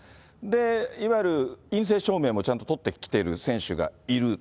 いわゆる陰性証明もちゃんと取ってきている選手がいる。